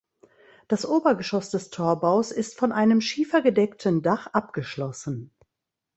Das Obergeschoss des Torbaus ist von einem schiefergedeckten Dach abgeschlossen.